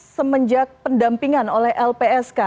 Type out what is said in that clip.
semenjak pendampingan oleh lpsk